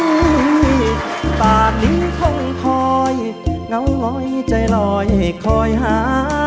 อุ้ยตอนนี้คงคอยเงาหงอยใจลอยให้คอยหา